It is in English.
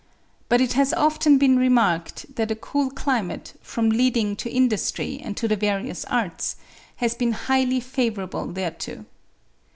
But it has often been remarked, that a cool climate, from leading to industry and to the various arts, has been highly favourable thereto.